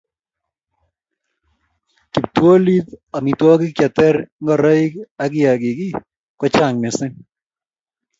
Kiptolit, amitwogik che ter, ngoroik ak kiyakik kochang missing